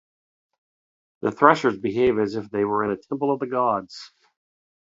The threshers behave as if they were in a temple of the gods.